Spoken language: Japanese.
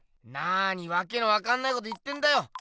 なにわけ分かんないこと言ってんだよ。